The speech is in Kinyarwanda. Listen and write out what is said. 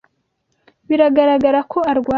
Biragaragara ko arwaye.